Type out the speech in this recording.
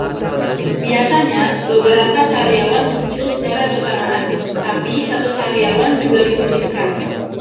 Biasanya beberapa sariawan muncul secara bersamaan, tapi satu sariawan juga dimungkinkan.